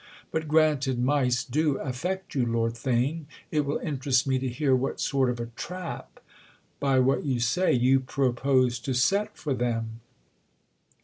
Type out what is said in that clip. But granted mice do affect you, Lord Theign, it will interest me to hear what sort of a trap—by what you say—you propose to set for them."